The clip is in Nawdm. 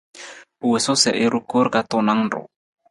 U wosu sa i ru koor ka tuunang ruu.